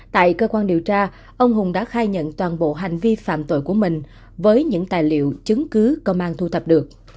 tại cơ quan điều tra ông hùng đã khai nhận toàn bộ hành vi phạm tội của mình với những tài liệu chứng cứ công an thu thập được